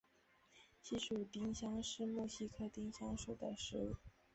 西蜀丁香是木犀科丁香属的植物。